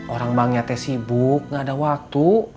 orang banknya teh sibuk gak ada waktu